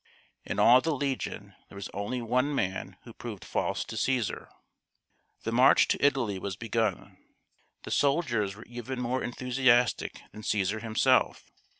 In all the legion there was only one man who proved false to Caesar. The march to Italy was begun. The soldiers were even more enthusiastic > than Caesar himself.